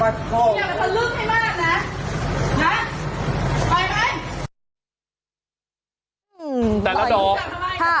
ตัดโค้งอย่ามักพันลึกให้มากนะนะไปไหม